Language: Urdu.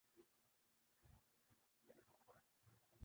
یہ ایک بہت آسان طریقہ ہے مگر اس میں تھوڑا وقت کار ہوگا